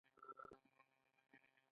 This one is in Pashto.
افغانستان به یو ورځ پرمختللی وي